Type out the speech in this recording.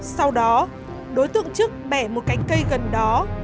sau đó đối tượng trức bẻ một cánh cây gần đó